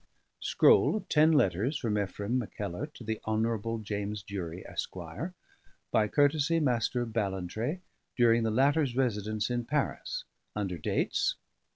Scroll of ten letters from Ephraim Mackellar to the Hon. James Durie, Esq., by courtesy Master of Ballantrae, during the latter's residence in Paris: under dates